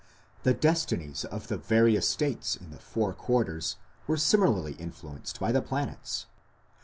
The destinies of the various states in the four quarters were similarly influenced by the planets.